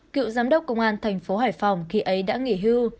cựu giám đốc công an thành phố hải phòng khi ấy đã nghỉ hưu